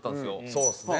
そうですね。